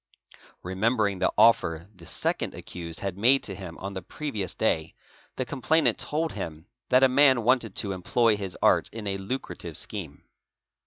_ Remembering the offer the second accused had made to him on the pre oy ious day, the complainant told him' that a man wanted to employ his art 'in a lucrative scheme.